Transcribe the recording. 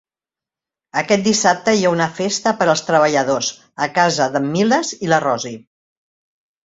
Aquest dissabte hi ha una festa per als treballadors, a casa d'en Miles i la Rosie.